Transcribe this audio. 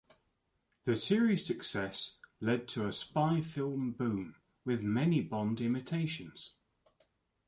The series' success led to a spy film boom with many Bond imitations.